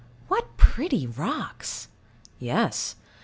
What pretty rocks! Yes.